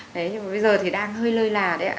đấy nhưng mà bây giờ thì đang hơi lơi là đấy ạ